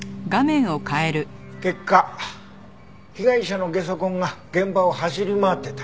結果被害者のゲソ痕が現場を走り回ってた。